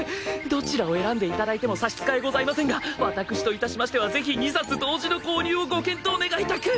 どちらを選んで頂いても差し支えございませんが私と致しましてはぜひ２冊同時の購入をご検討願いたく。